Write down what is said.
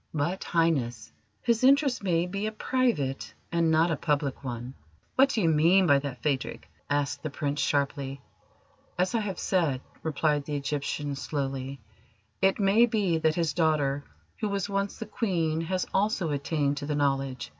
"But, Highness, his interest may be a private and not a public one." "What do you mean by that, Phadrig?" asked the Prince sharply. "As I have said," replied the Egyptian slowly, "it may be that his daughter, who was once the Queen, has also attained to the Knowledge.